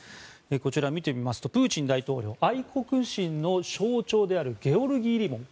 こちら見てみますとプーチン大統領愛国心の象徴であるゲオルギー・リボン